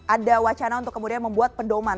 ada wacana untuk kemudian membuat pedoman